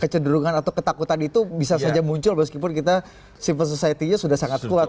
kecenderungan atau ketakutan itu bisa saja muncul meskipun kita civil society nya sudah sangat kuat